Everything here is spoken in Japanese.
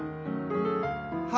は